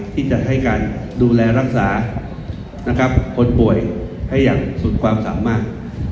ที่จะให้การดูแลรักษาคนป่วยให้อย่างสุดความสามารถ